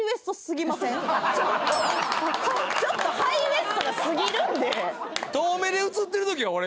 ちょっとハイウエストがすぎるんで。